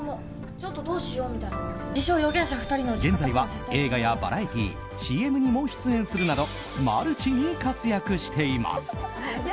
現在は映画やバラエティーＣＭにも出演するなどマルチに活躍しています。